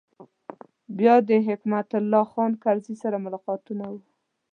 بیا د حکمت الله خان کرزي سره ملاقاتونه و.